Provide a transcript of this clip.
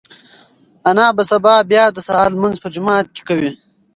انا به سبا بیا د سهار لمونځ په جومات کې کوي.